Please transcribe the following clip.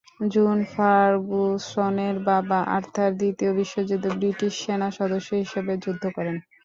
June ফার্গুসনের বাবা Arthur দ্বিতীয় বিশ্বযুদ্ধে ব্রিটিশ সেনাসদস্য হিসেবে যুদ্ধ করেন।